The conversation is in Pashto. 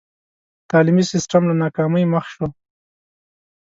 تعلیمي سسټم له ناکامۍ مخ شو.